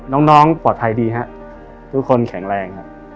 น้องน้องปลอดภัยดีค่ะทุกคนแข็งแรง